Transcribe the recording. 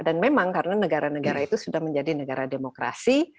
dan memang karena negara negara itu sudah menjadi negara demokrasi